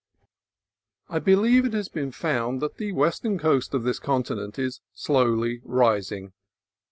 I believe it has been found that the western coast of this continent is slowly rising.